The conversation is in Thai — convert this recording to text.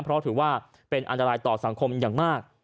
เพราะถือว่าเป็นอันตรายต่อสังคมอย่างมาก